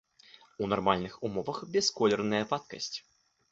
У нармальных умовах бясколерная вадкасць.